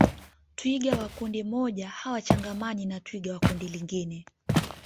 twiga wa kundi moja hawachangamani na twiga wa kundi lingine